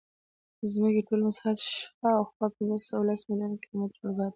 د ځمکې ټول مساحت شاوخوا پینځهسوهلس میلیونه کیلومتره مربع دی.